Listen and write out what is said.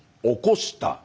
起こした。